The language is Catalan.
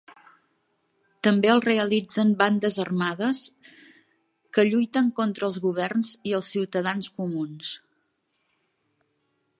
També el realitzen bandes armades que lluiten contra els governs i els ciutadans comuns.